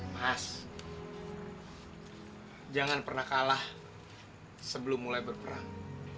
mas jangan pernah kalah sebelum mulai berperang